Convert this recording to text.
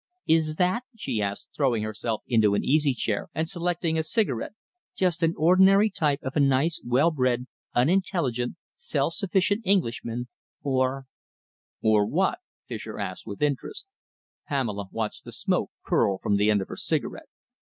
"Is that," she asked, throwing herself into an easy chair and selecting a cigarette, "just an ordinary type of a nice, well bred, unintelligent, self sufficient Englishman, or " "Or what?" Fischer asked, with interest. Pamela watched the smoke curl from the end of her cigarette.